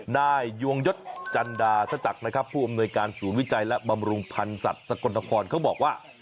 นายยวงยศจันดาทจักรนะครับผู้อำนวยการศูนย์วิจัยและบำรุงพันธ์สัตว์สกลนครเขาบอกว่า